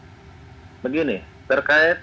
terkait dengan penetapan tersangka tersebut